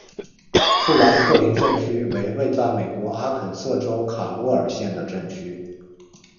富兰克林镇区为位在美国阿肯色州卡洛尔县的镇区。